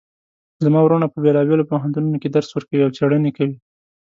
زما وروڼه په بیلابیلو پوهنتونونو کې درس ورکوي او څیړنې کوی